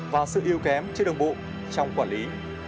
và sự yêu kém trên đồng bộ trong quản lý